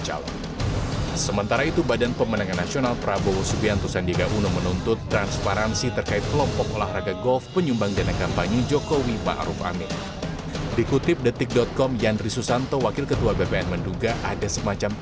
almas mengatakan sumbangan dari perkumpulan kelas tersebut di kutip cninitio com